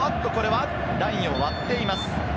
ラインを割っています。